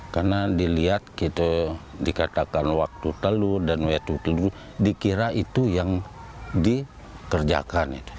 karena dilihat gitu dikatakan waktu telur dan wetutelu dikira itu yang dikerjakan itu